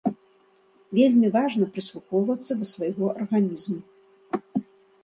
Вельмі важна прыслухоўвацца да свайго арганізму.